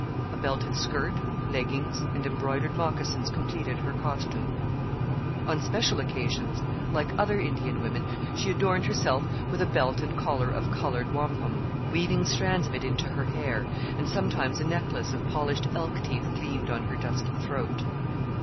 A belted skirt, leggings, and embroidered moccasins completed her costume. On special occasions, like other Indian women, she adorned herself with a belt and collar of coloured wampum, weaving strands of it into her hair; and sometimes a necklace of polished elk teeth gleamed on her dusky throat.